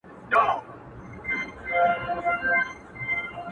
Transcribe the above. په نارو هم كليوال او هم ښاريان سول؛